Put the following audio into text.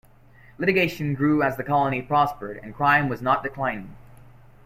Litigation grew as the Colony prospered, and crime was not declining.